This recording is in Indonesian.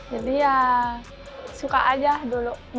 jadi ya suka aja dulu